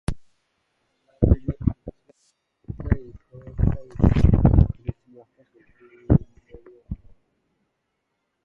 ところで彼に加えられるにちがいないそうしたいっさいの苦しみは、はたしてほんとうになんかの役に立つものだろうか。